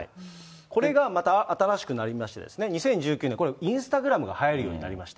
これがまた新しくなりまして、２０１９年、これインスタグラムがはやるようになりました。